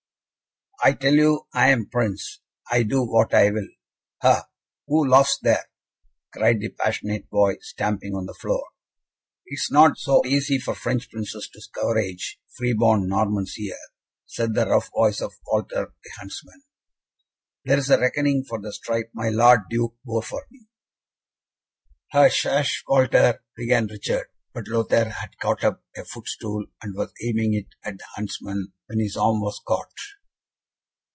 "I tell you I am Prince! I do what I will! Ha! who laughs there?" cried the passionate boy, stamping on the floor. "It is not so easy for French Princes to scourge free born Normans here," said the rough voice of Walter the huntsman: "there is a reckoning for the stripe my Lord Duke bore for me." "Hush, hush, Walter," began Richard; but Lothaire had caught up a footstool, and was aiming it at the huntsman, when his arm was caught.